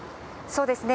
そうですね。